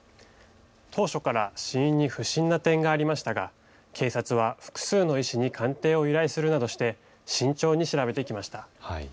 当初から死因に不審な点がありましたが警察は複数の医師に鑑定を依頼するなどして慎重に調べてきました。